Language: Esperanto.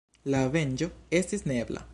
La venĝo estis neebla.